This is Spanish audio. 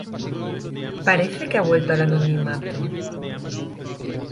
Parece que ha vuelto al anonimato.